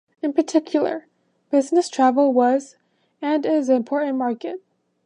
In particular, business travel was and is an important market.